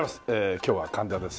今日は神田です。